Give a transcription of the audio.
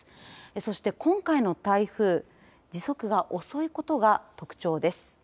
そして、今回の台風時速が遅いことが特徴です。